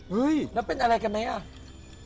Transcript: เฮ้ยนั่นเป็นอะไรกันไหม